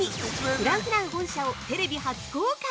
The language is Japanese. フランフラン本社をテレビ初公開！